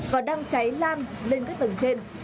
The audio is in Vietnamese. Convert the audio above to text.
và đang cháy lan lên các tầng trên